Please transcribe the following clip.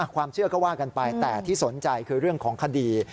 ความเชื่อก็ว่ากันไปแต่ที่สนใจคือเรื่องของคดี